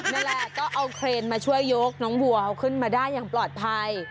นั่นแหละก็เอาเครนมาช่วยยกน้องวัวขึ้นมาได้อย่างปลอดภัย